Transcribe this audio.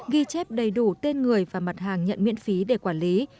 ghi chép đầy đủ tên người và mặt hàng nhận miễn phí để quản lý